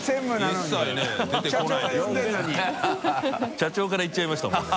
社長から行っちゃいましたもんね。